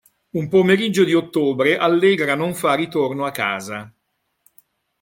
Un pomeriggio di ottobre Allegra non fa ritorno a casa.